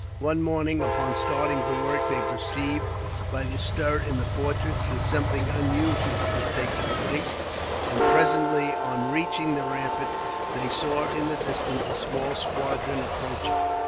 One morning upon starting to work they perceived, by the stir in the fortress, that something unusual was taking place; and presently, on reaching the rampart, they saw in the distance a small squadron approaching.